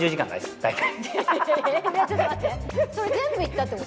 大体ちょっと待ってそれ全部行ったってこと？